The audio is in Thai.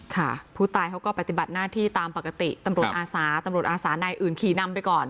ค่ะผู้ตายเขาก็ปฏิบัติหน้าที่ตามปกติตำรวจอาสาตำรวจอาสานายอื่นขี่นำไปก่อน